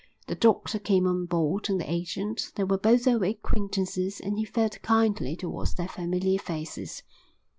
The doctor came on board and the agent. They were both old acquaintances and he felt kindly towards their familiar faces.